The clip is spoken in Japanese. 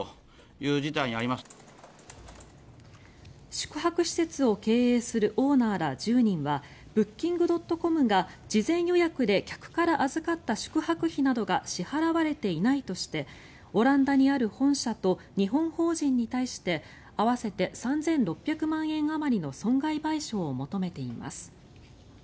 宿泊施設を経営するオーナーら１０人はブッキングドットコムが事前予約で客から預かった宿泊費などが支払われていないとしてオランダにある本社と日本法人に対して合わせて３６００万円あまりの損害賠償を求めています。